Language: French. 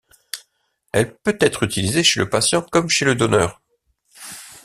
Elle peut être utilisée chez le patient comme chez le donneur.